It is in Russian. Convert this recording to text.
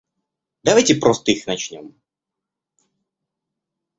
Давайте просто их начнем.